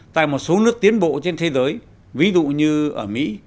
tại một số nước tiến bộ trên thế giới ví dụ như ở mỹ